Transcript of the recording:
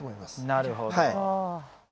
なるほど。